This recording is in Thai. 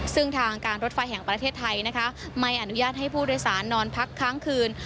ซึ่งทางการรถไฟแห่งประเทศไทยนะคะไม่อนุญาตให้ผู้โดยสารนอนพักค้างคืน